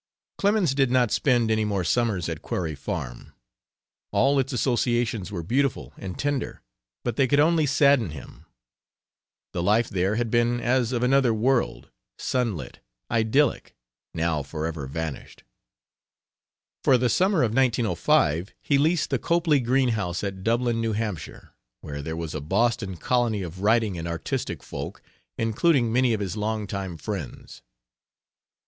Clemens did not spend any more summers at Quarry Farm. All its associations were beautiful and tender, but they could only sadden him. The life there had been as of another world, sunlit, idyllic, now forever vanished. For the summer of 1905 he leased the Copley Green house at Dublin, New Hampshire, where there was a Boston colony of writing and artistic folk, including many of his long time friends.